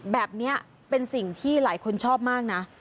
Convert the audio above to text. แบบนี้เป็นสิ่งที่หลายคนชอบมากนะ